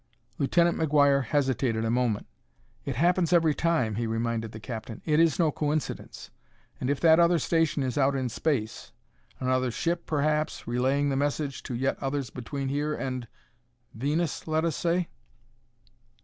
Lieutenant McGuire hesitated a moment. "It happens every time," he reminded the captain: "it is no coincidence. And if that other station is out in space another ship perhaps, relaying the messages to yet others between here and Venus, let us say...."